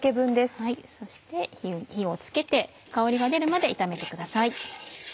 そして火を付けて香りが出るまで炒めてください。